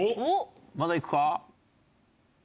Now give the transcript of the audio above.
まだいくか？